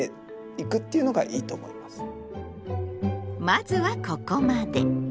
まずはここまで。